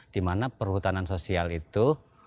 dimana perhutanan sosial itu